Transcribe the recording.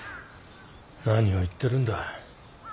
何を言ってるんだ。